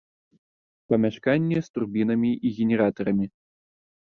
Памяшканне з турбінамі і генератарамі.